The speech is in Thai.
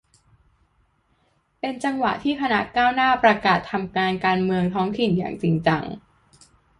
เป็นจังหวะที่คณะก้าวหน้าประกาศทำงานการเมืองท้องถิ่นอย่างจริงจัง